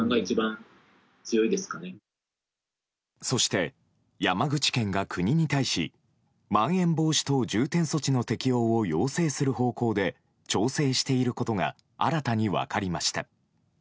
そして、山口県が国に対しまん延防止等重点措置の適用を要請する方向で調整していることが新たに分かりました。